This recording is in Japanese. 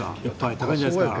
高いんじゃないですか？